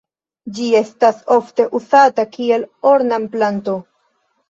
Ĝi estas ofte uzata kiel ornamplanto.